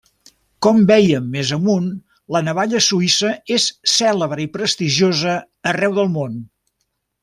Com vèiem més amunt, la navalla suïssa és cèlebre i prestigiosa arreu del món.